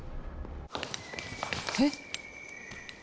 えっ？